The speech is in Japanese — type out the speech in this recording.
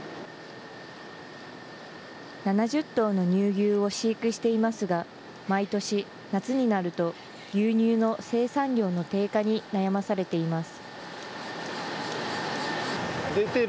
７０頭の乳牛を飼育していますが、毎年、夏になると牛乳の生産量の低下に悩まされています。